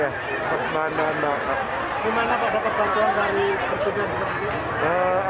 dan plastik makanan yang wabah kecokupannya ber markusngian untuk menangkap pesawat otidik